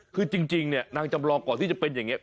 คือจริงเนี่ยนางจำลองก่อนที่จะเป็นอย่างนี้